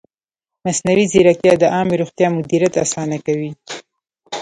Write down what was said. مصنوعي ځیرکتیا د عامې روغتیا مدیریت اسانه کوي.